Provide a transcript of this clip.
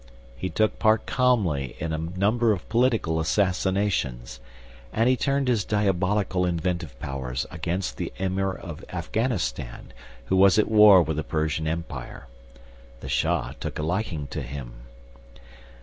He took part calmly in a number of political assassinations; and he turned his diabolical inventive powers against the Emir of Afghanistan, who was at war with the Persian empire. The Shah took a liking to him.